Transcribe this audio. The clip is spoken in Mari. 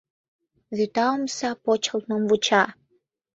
Вӱта омса почылтмым вуча.